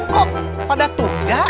kok pakde tujah